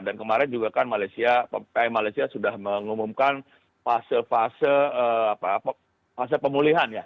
dan kemarin juga kan malaysia sudah mengumumkan fase fase pemulihan ya